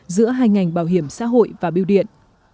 giữa hai ngành bảo hiểm xã hội và biêu điện